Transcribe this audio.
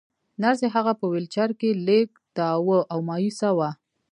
نرسې هغه په ويلچر کې لېږداوه او مايوسه وه.